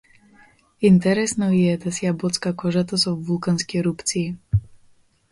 Интересно и е да си ја боцка кожата со вулкански ерупции.